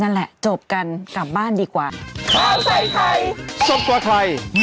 นั่นแหละจบกันกลับบ้านดีกว่า